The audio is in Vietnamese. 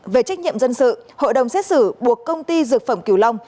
về trách nhiệm dân sự hội đồng xét xử buộc công ty dược phẩm kiều long